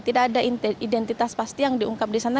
tidak ada identitas yang diungkap di surabaya